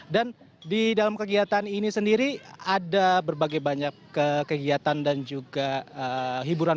dan di dalam kegiatan ini sendiri ada berbagai banyak kegiatan dan juga hiburan